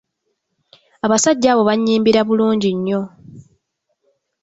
Abasajja abo bannyimbira bulungi nnyo.